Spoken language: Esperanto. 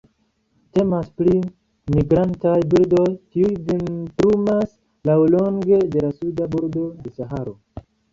Temas pri migrantaj birdoj, kiuj vintrumas laŭlonge de la suda bordo de Saharo.